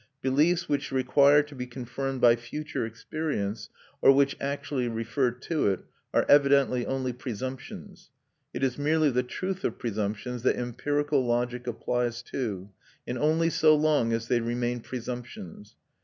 Beliefs which require to be confirmed by future experience, or which actually refer to it, are evidently only presumptions; it is merely the truth of presumptions that empirical logic applies to, and only so long as they remain presumptions.